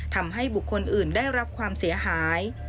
ทำให้บุคคลอื่นได้รับความเสียหาย